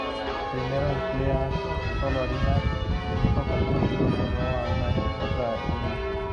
Primero, emplea solo harina de mijo común, y no de sorgo u otra semilla.